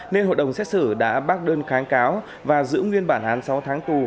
nên hội đồng xét xử đã bác đơn kháng cáo và giữ nguyên bản án sáu tháng tù